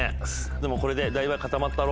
でもこれでだいぶ固まったろ